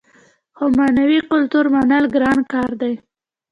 خو معنوي کلتور منل ګران کار دی.